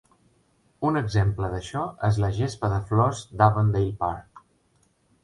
Un exemple d'això és la gespa de flors d'Avondale Park.